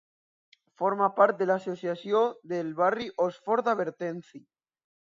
Forma part de l'associació del barri Hosford-Abernethy.